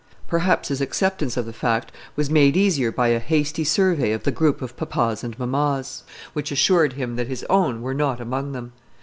Perhaps his acceptance of the fact was made easier by a hasty survey of the group of papas and mamas, which assured him that his own were not among them.